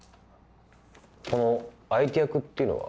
この相手役っていうのは？